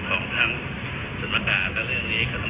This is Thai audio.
จะต้องข่าวิทยาละเอียดงี้นะครับมี